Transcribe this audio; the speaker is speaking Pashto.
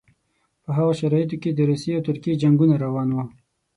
په هغو شرایطو کې د روسیې او ترکیې جنګونه روان وو.